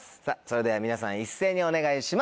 それでは皆さん一斉にお願いします。